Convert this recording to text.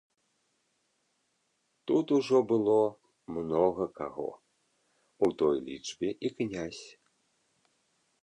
Тут ужо было многа каго, у той лічбе і князь.